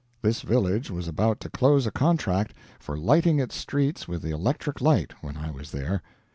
This village was about to close a contract for lighting its streets with the electric light, when I was there.